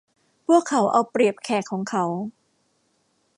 พวกเขาเอาเปรียบแขกของเขา